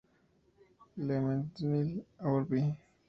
Le Mesnil-Aubry